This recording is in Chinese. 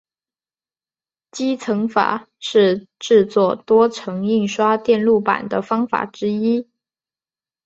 积层法是制作多层印刷电路板的方法之一。